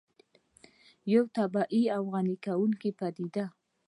یو طبیعي او غني کوونکې پدیده ده